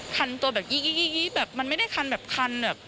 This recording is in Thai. คันตัวกี่มันมันไม่ได้คันแบบเข้น